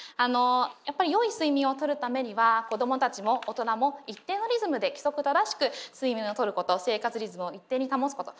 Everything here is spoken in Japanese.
やっぱりよい睡眠をとるためには子どもたちも大人も一定のリズムで規則正しく睡眠をとること生活リズムを一定に保つこと。